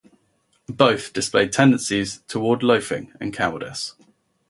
Both display tendencies toward loafing and cowardice.